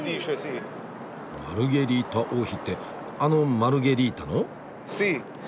「マルゲリータ王妃」ってあのマルゲリータの？